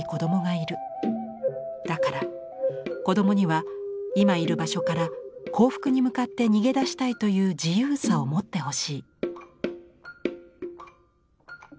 だから子供には今いる場所から幸福に向かって逃げ出したいという自由さを持ってほしい」。